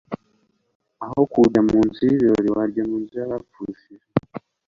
aho kujya mu nzu y'ibirori wajya mu nzu y'abapfushije